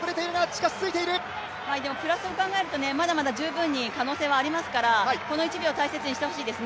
プラスを考えると、まだまだ十分に可能性ありますからこの１秒を大切にしてほしいです。